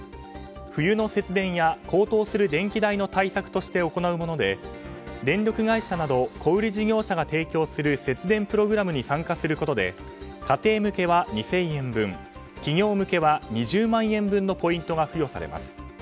冬の節電や、高騰する電気代の対策として行うもので電力会社など小売り事業者が提供する節電プログラムに参加することで家庭向けは２０００円分企業向けは２０万円分のポイントが付与されます。